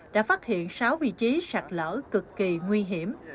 đã phát hiện sáu vị trí sạt lở cực kỳ nguy hiểm